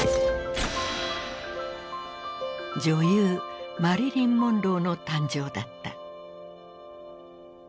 女優マリリン・モンローの誕生だった。